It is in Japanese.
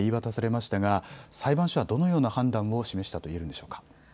山下さん、裁判所はどのような判断を示したといえるのでしょうか。